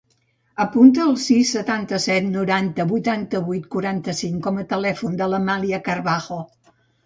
Apunta el sis, setanta-set, noranta, vuitanta-vuit, quaranta-cinc com a telèfon de l'Amàlia Carbajo.